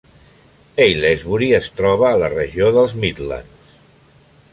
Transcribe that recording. Aylesbury es troba a la regió dels Midlands.